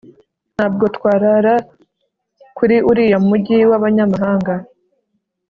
nta bwo twarara kuri uriya mugi w'abanyamahanga